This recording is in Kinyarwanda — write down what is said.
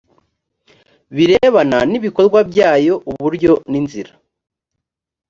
birebana n ibikorwa byayo uburyo n inzira